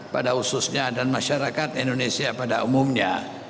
pada khususnya dan masyarakat indonesia pada umumnya